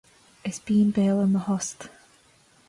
Is binn béal ina thost